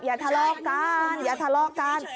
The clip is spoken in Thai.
อย่าทะลอกก้านอย่าทะลอกก้าน